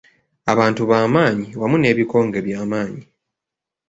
Abantu bamaanyi wamu n'ebikonge by'amaanyi.